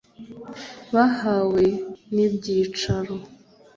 bahawe n'ibyicaro